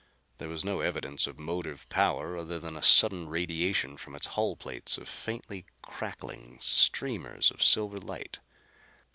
There was no evidence of motive power other than a sudden radiation from its hull plates of faintly crackling streamers of silvery light.